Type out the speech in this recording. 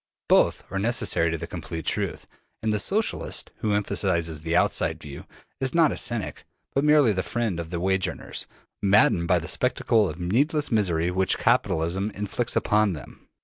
Both are necessary to the complete truth; and the Socialist, who emphasizes the outside view, is not a cynic, but merely the friend of the wage earners, maddened by the spectacle of the needless misery which capitalism inflicts upon them.